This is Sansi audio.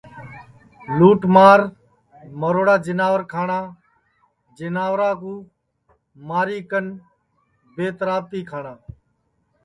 لُوٹ مار مروڑا جیناور کھاٹؔا جیناورا کُو ماری کن بے ترابتی کھاٹؔا